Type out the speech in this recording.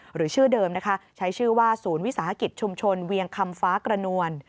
หรือชื่อเดิมนะคะใช้ชื่อว่าศูนย์วิสาหกิจชุมชนเวียงคำฟ้ากระนวล